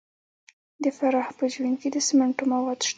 د فراه په جوین کې د سمنټو مواد شته.